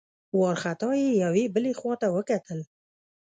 وارخطا يې يوې بلې خواته وکتل.